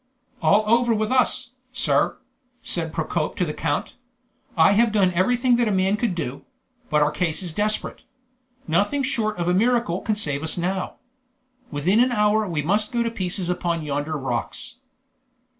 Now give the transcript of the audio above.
"All over with us, sir!" said Procope to the count. "I have done everything that man could do; but our case is desperate. Nothing short of a miracle can save us now. Within an hour we must go to pieces upon yonder rocks."